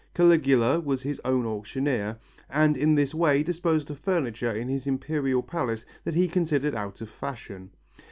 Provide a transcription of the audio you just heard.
Caligula was his own auctioneer, and in this way disposed of furniture in his imperial palace that he considered out of fashion.